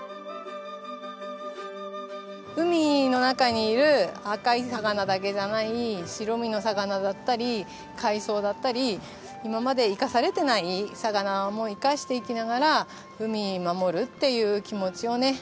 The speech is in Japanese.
海の中にいる赤い魚だけじゃない白身の魚だったり海藻だったり今まで生かされていない魚も生かしていきながら海を守るっていう気持ちをね